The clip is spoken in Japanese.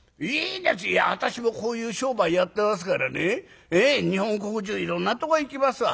私もこういう商売やってますからね日本国中いろんなとこ行きますわ。